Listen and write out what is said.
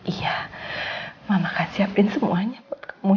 iya mama akan siapin semuanya buat kamu ya